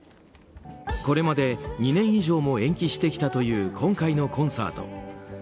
これまで２年以上も延期してきたという今回のコンサート。